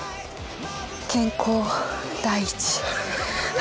健康第一。